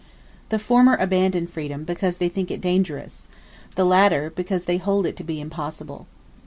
The former abandon freedom, because they think it dangerous; the latter, because they hold it to be impossible.